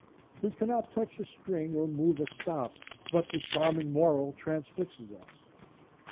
We cannot touch a string or move a stop but the charming moral transfixes us.